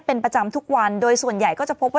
เป็นประจำทุกวันโดยส่วนใหญ่ก็จะพบว่า